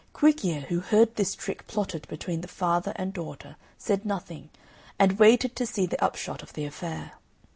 Quick ear, who heard this trick plotted between the father and daughter, said nothing, and waited to see the upshot of the affair.